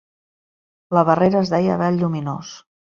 La barrera es deia "Vel Lluminós".